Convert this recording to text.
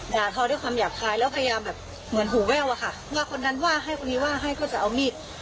ด่าทอด้วยความหยาบคายแล้วพยายามแบบเหมือนหูแว่วอะค่ะว่าคนนั้นว่าให้คนนี้ว่าให้ก็จะเอามีด